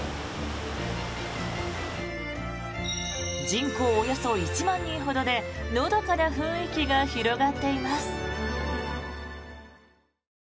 人口およそ１万人ほどでのどかな雰囲気が広がっています。